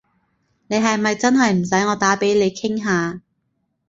你係咪真係唔使我打畀你傾下？